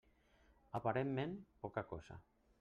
Aparentment poca cosa.